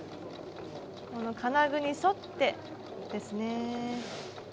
この金具に沿ってですね。